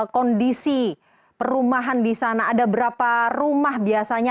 kondisi perumahan di sana ada berapa rumah biasanya